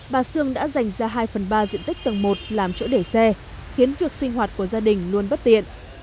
bà sương đã dành ra hai phần ba diện tích tầng một làm chỗ để xe khiến việc sinh hoạt của gia đình luôn bất tiện